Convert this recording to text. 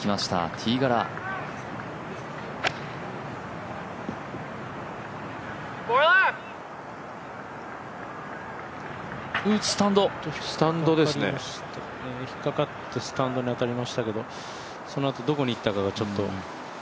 ティーガラ引っ掛かってスタンドに入ったんですけどそのあとどこに行ったかがちょっと。